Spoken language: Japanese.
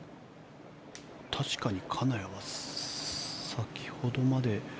確かに金谷は先ほどまで。